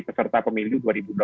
peserta pemilu dua ribu dua puluh